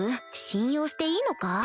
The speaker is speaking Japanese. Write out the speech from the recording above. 信用していいのか？